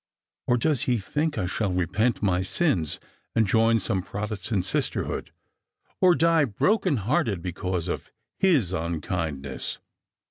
Or does he think I shall repent my sins and join some Protestant sister nood ; OT die broken hearted because of his unkindness